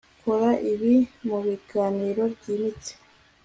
Kora ibi mubiganiro byimbitse